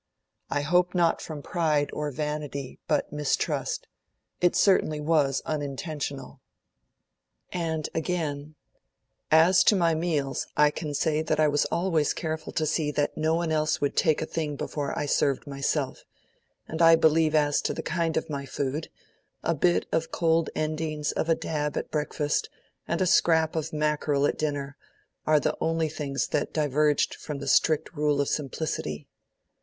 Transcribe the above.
I hope not from pride or vanity, but mistrust; it certainly was unintentional.' And again, 'As to my meals, I can say that I was always careful to see that no one else would take a thing before I served myself; and I believe as to the kind of my food, a bit of cold endings of a dab at breakfast, and a scrap of mackerel at dinner, are the only things that diverged from the strict rule of simplicity.'